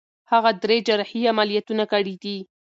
هغې درې جراحي عملیاتونه کړي دي.